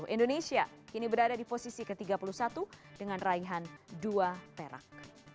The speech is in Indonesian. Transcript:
indonesia kini berada di posisi ke tiga puluh satu dengan raihan dua perak